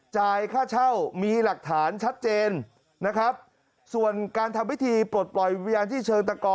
จ่ายค่าเช่ามีหลักฐานชัดเจนนะครับส่วนการทำพิธีปลดปล่อยวิญญาณที่เชิงตะกอ